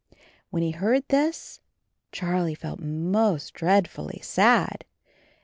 When he heard this Charlie felt most dreadfully sad.